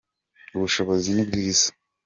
ubushobozi nibwiza